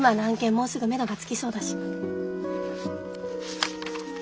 もうすぐめどがつきそうだし。